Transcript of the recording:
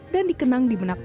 dan dikenang di benak benaknya